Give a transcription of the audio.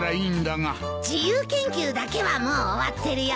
自由研究だけはもう終わってるよ。